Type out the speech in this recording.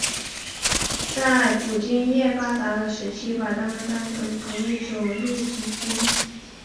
在捕鲸业发达的时期是把它们当成同一种露脊鲸。